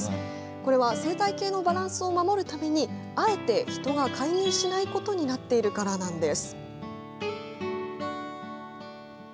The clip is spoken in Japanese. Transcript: これは生態系のバランスを守るためにあえて人が介入しないことになっているからなんです。